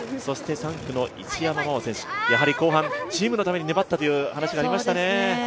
３区の一山麻緒選手、後半チームのために粘ったという話がありましたね。